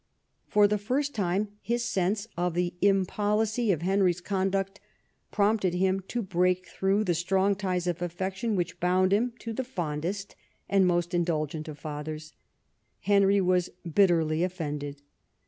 For the first time his sense of the impolicy of Henry's conduct prompted him to break through the strong ties of afi'ection which bound him to the fondest and most indulgent of fathers. Henry was bitterly offended.